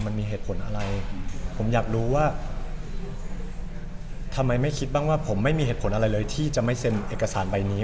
มันมีเหตุผลอะไรผมอยากรู้ว่าทำไมไม่คิดบ้างว่าผมไม่มีเหตุผลอะไรเลยที่จะไม่เซ็นเอกสารใบนี้